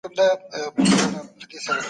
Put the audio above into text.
د بدن پروټین کمښت وریښتان کمزوري کوي.